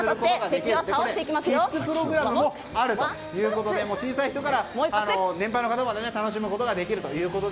キッズプログラムもあるということで小さい人から、年配の方でも楽しむことができると。